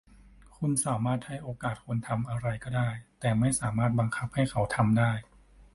คุณสามารถให้โอกาสคนทำอะไรก็ได้ แต่ไม่สามารถบังคับให้เขาทำได้